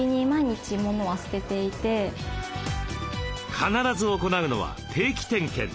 必ず行うのは定期点検。